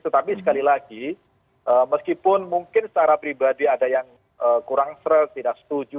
tetapi sekali lagi meskipun mungkin secara pribadi ada yang kurang stres tidak setuju